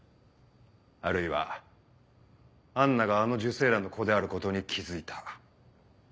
あるいはアンナがあの受精卵の子であることに気付いた。